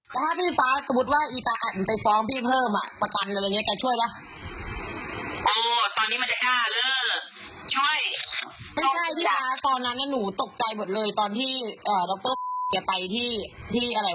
ดำเจ้าก่อนแรงตอนเจ้าใหไปตรงแรงเลียนแนว